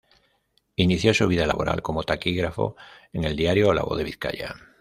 Inició su vida laboral como taquígrafo en el diario "La Voz de Vizcaya".